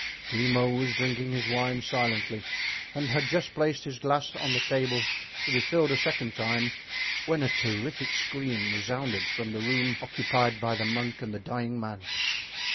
Grimaud was drinking his wine silently and had just placed his glass on the table to be filled a second time, when a terrific scream resounded from the room occupied by the monk and the dying man.